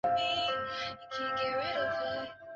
设立邮递投票则可便利因公外出的人士投票。